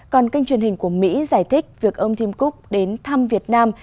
còn kênh truyền hình của mỹ giải thích việc ông tim cook đến thăm việt nam